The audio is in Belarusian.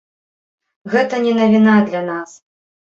Гэта не навіна для нас.